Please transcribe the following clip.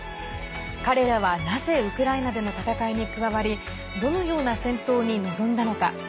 彼らはなぜウクライナでの戦いに加わりどのような戦闘に臨んだのか。